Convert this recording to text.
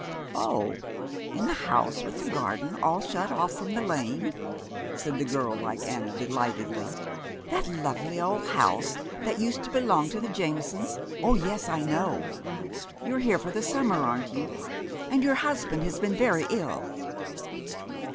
"Oh, in the house with the garden all shut off from the lane!" said the girl like Anna, delightedly. "That lovely old house that used to belong to the Jamesons. Oh, yes, I know. You're here for the summer, aren't you, and your husband has been very ill?"